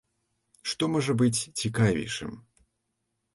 Што можа быць цікавейшым?